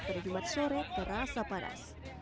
pada jumat sore terasa panas